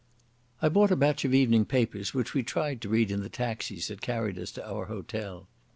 I bought a batch of evening papers, which we tried to read in the taxis that carried us to our hotel.